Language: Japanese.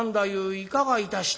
いかがいたした？」。